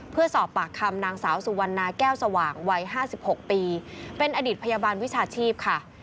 เพื่อสอบปากคำนางสาวสุวรรณาแก้วสว่างวัย๕๖ปีเป็นอดีตพยาบาลวิชาชีพค่ะ